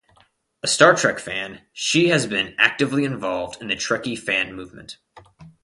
A Star Trek fan, she has been actively involved in the Trekkie fan movement.